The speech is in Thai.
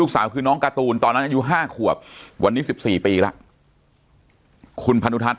สาวคือน้องการ์ตูนตอนนั้นอายุ๕ขวบวันนี้๑๔ปีแล้วคุณพนุทัศ